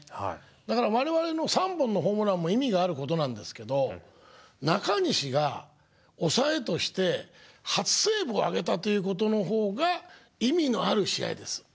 だから我々の３本のホームランも意味があることなんですけど中西が抑えとして初セーブを挙げたということの方が意味のある試合です。